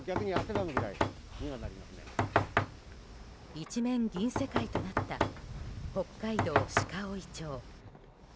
一面銀世界となった北海道鹿追町。